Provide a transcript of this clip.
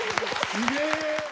すげえ！